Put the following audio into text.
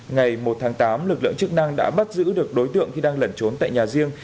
ngày một tháng tám lực lượng chức năng đã bắt giữ được đối tượng khi đang lẩn trốn tại nhà riêng